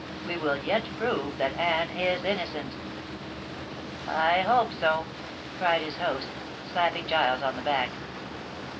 We will yet prove that Anne is innocent." "I hope so," cried his host, slapping Giles on the back.